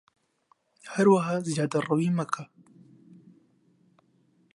هەروەها زیادەڕەویی مەکە